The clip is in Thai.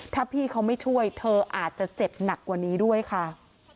ถ้าพี่เขาไม่ช่วยเธออาจจะเจ็บหนักกว่านี้ด้วยค่ะ